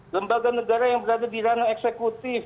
lembaga negara yang berada di ranah eksekutif